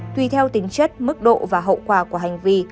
tùy theo tính chất mức độ và hậu quả của hành vi